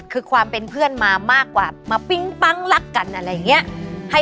ก็คือมีลาบร้อยที่ดี